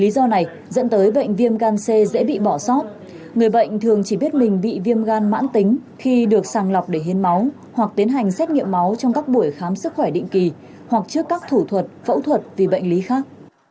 lý do này dẫn tới bệnh viêm gan c dễ bị bỏ sót người bệnh thường chỉ biết mình bị viêm gan mãn tính khi được sàng lọc để hiến máu hoặc tiến hành xét nghiệm máu trong các buổi khám sức khỏe định kỳ hoặc trước các thủ thuật phẫu thuật vì bệnh lý khác